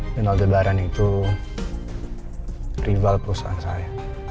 dan aldebaran itu rival perusahaan saya